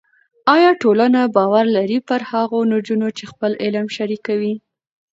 ایا ټولنه باور لري پر هغو نجونو چې خپل علم شریکوي؟